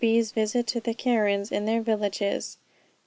B.'S VISIT TO THE KARENS IN THEIR VILLAGES.